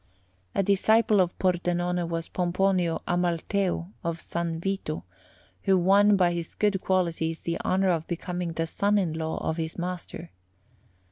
A disciple of Pordenone was Pomponio Amalteo of San Vito, who won by his good qualities the honour of becoming the son in law of his master.